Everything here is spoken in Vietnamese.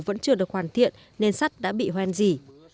vẫn chưa được hoàn thiện nên sắt đã bị hoen dỉ